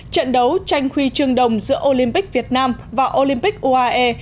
trận đấu tranh khuy trường đồng giữa olympic việt nam và olympic uae